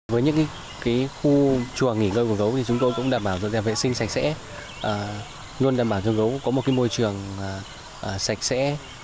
với những khu chùa nghỉ ngơi của gấu thì chúng tôi cũng đảm bảo dọn dẹp vệ sinh sạch sẽ luôn đảm bảo cho gấu có một môi trường sạch sẽ